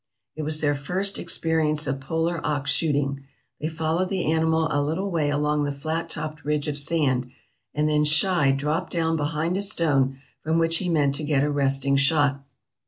It was their first experience of polar ox shooting. They followed the animal a little way 494 TRAVELERS AND EXPLORERS along the flat topped ridge of sand, and then Schei dropped down behind a stone, from which he meant to get a resting shot.